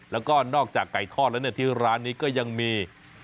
แล้วก็นอกจากไก่ทอดแล้วที่ร้านนี้ก็ยังมี